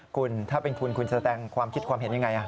คุณถ้าเป็นคุณคุณแสดงความคิดความเห็นยังไง